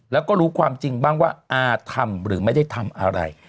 แล้วก็รู้ความจริงบ้างว่าอาทำหรือไม่ได้ทำอะไร